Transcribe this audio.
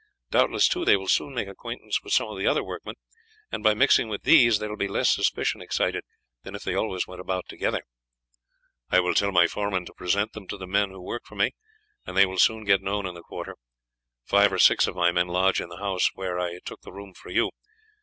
Doubtless, too, they will soon make acquaintance with some of the other workmen, and by mixing with these there will be less suspicion excited than if they always went about together." "I will tell my foreman to present them to the men who work for me, and they will soon get known in the quarter. Five or six of my men lodge in the house where I took the room for you.